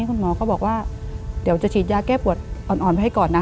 คุณหมอก็บอกว่าเดี๋ยวจะฉีดยาแก้ปวดอ่อนไปให้ก่อนนะ